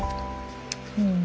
うん。